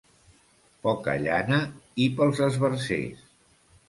Poca llana i pels esbarzers.